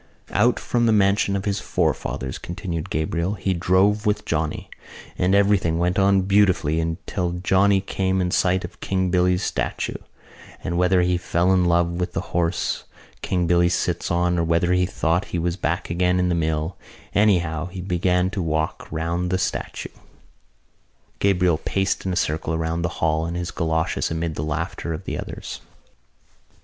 "Out from the mansion of his forefathers," continued Gabriel, "he drove with Johnny. And everything went on beautifully until Johnny came in sight of King Billy's statue: and whether he fell in love with the horse King Billy sits on or whether he thought he was back again in the mill, anyhow he began to walk round the statue." Gabriel paced in a circle round the hall in his goloshes amid the laughter of the others.